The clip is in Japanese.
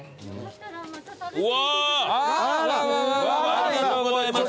ありがとうございます。